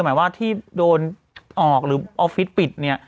หมายว่าที่โดนออกหรือออฟฟิศปิดเนี่ย